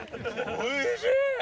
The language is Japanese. おいしい！